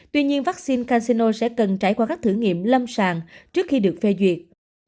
tuy nhiên vaccine casino sẽ cần trải qua các thử nghiệm lâm sàng trước khi được phê duyệt